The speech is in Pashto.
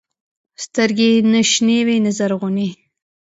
سترګې يې نه شنې وې نه زرغونې.